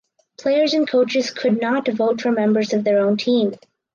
Players and coaches could not vote for members of their own team.